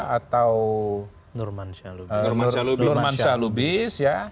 atau nurman shalubis